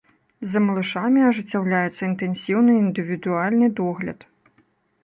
За малышамі ажыццяўляецца інтэнсіўны індывідуальны догляд.